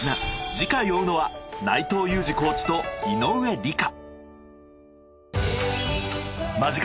次回追うのは内藤雄士コーチと井上莉花。